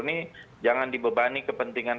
ini jangan dibebani kepentingan